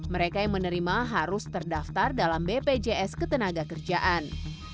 mereka yang menerima harus terdaftar dalam bpjs ketenaga kerjaan